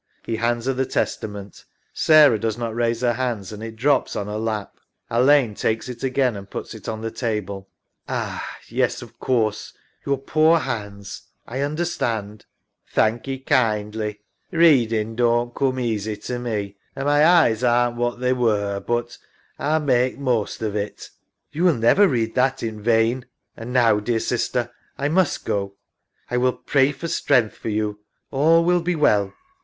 (He hands her the Tes tament. Sarah does not raise her hands, and it drops on her lap. Alleyne takes it again and puts it on the table) Ah, yes, of course ... your poor hands ... I understand. SARAH. Thankee kindly. Readin' don't coom easy to me, an' my eyes aren't what they were, but A'U mak' most of it. ALLEYNE. You wiU never read that in vain. And now, dear sister, I must go. I will pray for strength for you. All will be well.